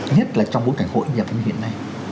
nhất là trong bối cảnh hội nhập như hiện nay